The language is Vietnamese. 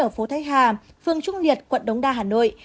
ở phố thái hà phường trung liệt quận đống đa hà nội